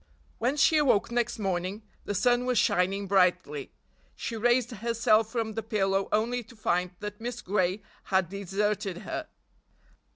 When she awoke next morning the sun was shining brightly. She raised herself from the pillow only to find that Miss Gray had deserted her.